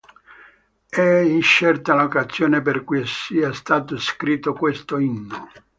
È incerta l'occasione per cui sia stato scritto questo inno.